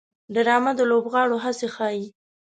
ډرامه د لوبغاړو هڅې ښيي